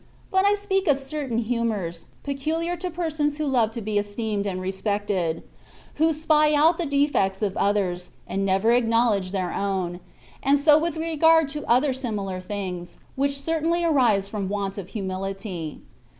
But I speak of certain humours,"*^ pecu liar to persons who love to be esteemed and respected ; who spy out the defects of others, and never acknowledge their own, and so with regard to other similar things, which certainly arise from want of humility.